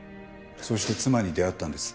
そして妻に出会ったんです。